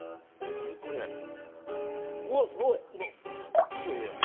かっこええやん。